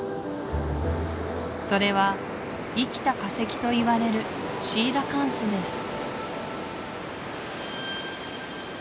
それは生きた化石といわれるシーラカンスです